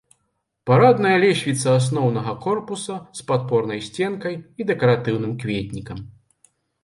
Парадная лесвіца асноўнага корпуса з падпорнай сценкай і дэкаратыўным кветнікам.